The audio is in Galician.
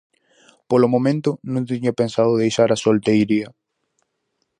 Polo momento non tiña pensado deixar a solteiría.